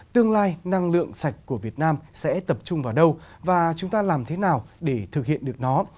tương lai năng lượng sạch của việt nam sẽ tập trung vào đâu và chúng ta làm thế nào để thực hiện được nó